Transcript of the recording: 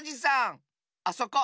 あそこ。